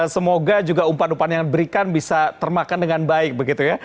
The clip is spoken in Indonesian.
semoga juga umpan umpan yang diberikan bisa termakan dengan baik begitu ya